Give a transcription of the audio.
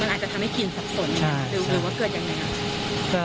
มันอาจจะทำให้กลิ่นซับสนใช่หรือว่าเกิดยังไงอ่า